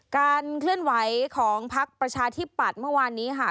การเคลื่อนไหวของภาคประชาธิบัตรเมื่อวานนี้ค่ะ